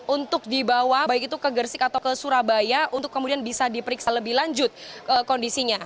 untuk dibawa baik itu ke gersik atau ke surabaya untuk kemudian bisa diperiksa lebih lanjut kondisinya